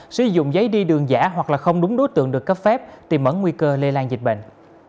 sử dụng giấy đi đường giả hoặc là không đúng đối tượng được cấp phép tìm mẩn nguy cơ lây lan dịch bệnh